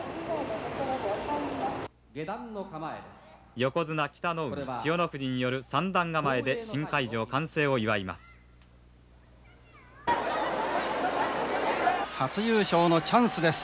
横綱北の湖、千代の富士による三段構えで新会場完成を祝います。